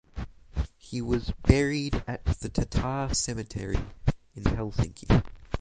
He was buried at the Tatar cemetery in Helsinki.